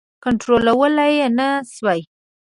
کنټرولولای نه سوای.